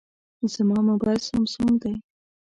زما موبایل سامسونګ دی.